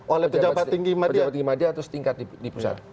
oleh pejabat tinggi madya atau setingkat di pusat